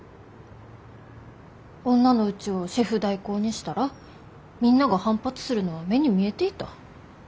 女のうちをシェフ代行にしたらみんなが反発するのは目に見えていた。